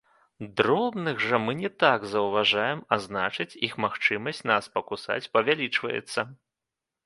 Дробных жа мы так не заўважаем, а значыць, іх магчымасць нас пакусаць павялічваецца.